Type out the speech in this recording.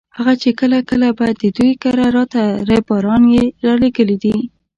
هغه چې کله کله به د دوی کره راته ريباران یې رالېږلي دي.